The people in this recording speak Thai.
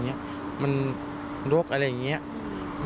เวลามีรวบทางอากาศใหม่ดู